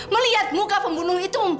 melihat muka pembunuh itu